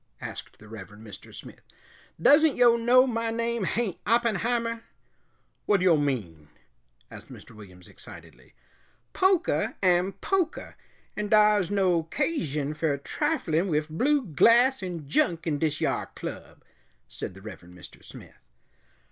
asked the Reverend Mr. Smith. "Doesn't yo' know my name hain't Oppenheimer?" "Whad yo' mean?" asked Mr. Williams excitedly. "Pokah am pokah, and dar's no 'casion fer triflin' wif blue glass 'n junk in dis yar club," said the Reverend Mr. Smith.